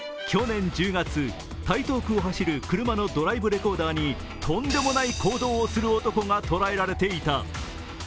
去年１０月、台東区を走る車のドライブレコーダーにとんでもない行動をする男が捉えられていた。